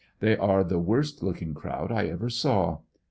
They are the worst looking crowd 1 ever saw.